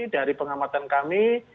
dari pengamatan kami